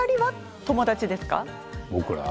僕ら？